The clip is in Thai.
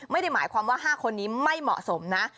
ไม่ได้หมายความว่า๕คนนี้ไม่เหมาะสมนะ